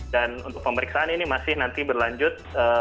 dan untuk pemeriksaan ini masih nanti berlanjut